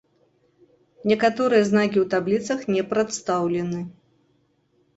Некаторыя знакі ў табліцах не прадстаўлены.